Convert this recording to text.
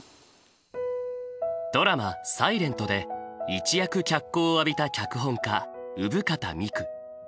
ドラマ「ｓｉｌｅｎｔ」で一躍脚光を浴びた脚本家生方美久。